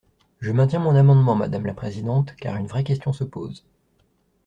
Je maintiens mon amendement, madame la présidente, car une vraie question se pose.